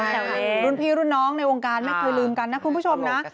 แต่รุ่นพี่รุ่นน้องในวงการไม่เคยลืมกันนะคุณผู้ชมนะ